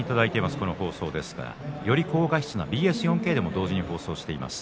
この放送ですが、より高画質な４Ｋでも放送しています。